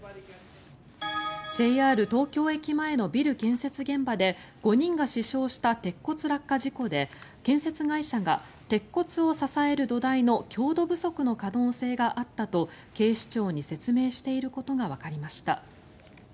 ＪＲ東京駅前のビル建設現場で５人が死傷した鉄骨落下事故で建設会社が鉄骨を支える土台の強度不足の可能性があったと警視庁に説明していることがわかりました。